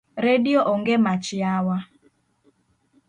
Redio onge mach yawa.